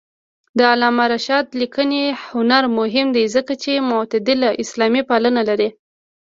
د علامه رشاد لیکنی هنر مهم دی ځکه چې معتدله اسلاميپالنه لري.